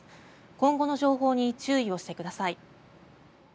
今後の情報に注意をしてください。